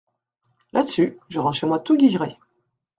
Là-dessus, je rentre chez moi tout guilleret.